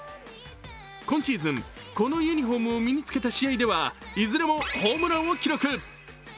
今シーズン、このユニフォームを身につけた試合ではいずれもホームランを記録。